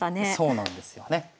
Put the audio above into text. そうなんですよね。